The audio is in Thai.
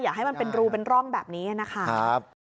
ให้มันเป็นรูเป็นร่องแบบนี้นะคะ